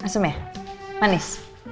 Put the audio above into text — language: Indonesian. dgens untuk ama kali kok